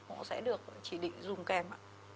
họ sẽ được chỉ định dùng kèm